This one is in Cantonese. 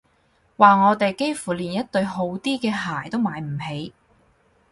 話我哋幾乎連一對好啲嘅鞋都買唔起